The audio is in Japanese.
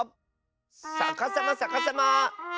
さかさまさかさま。